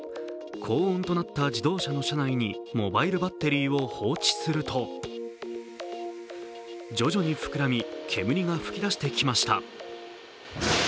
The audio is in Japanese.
高温となった自動車の車内にモバイルバッテリーを放置すると徐々に膨らみ、煙が吹き出してきました。